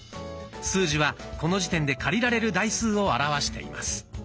数字はこの時点で借りられる台数を表しています。